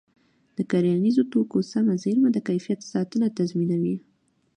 د کرنیزو توکو سمه زېرمه د کیفیت ساتنه تضمینوي.